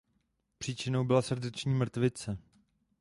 Příčinou byla srdeční mrtvice.